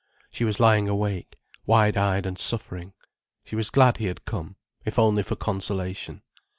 She was lying awake, wide eyed and suffering. She was glad he had come, if only for consolation.